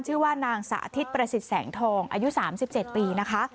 ชื่อว่านางสาธิตประสิทธิ์แสงทองอายุ๓๗ปีนะคะ